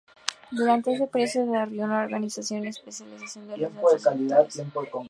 Durante ese periodo se desarrolló una organización y especialización en los centros rectores.